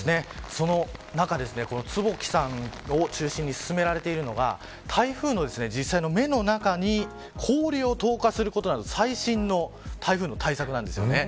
その中、坪木さんを中心に進められているのが台風の実際の目の中に氷を投下することなど最新の台風の対策なんですよね。